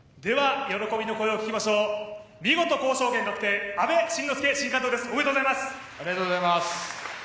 喜びの声を聞きましょう、見事、交渉権確定、阿部慎之助新監督です、おめでとうございます。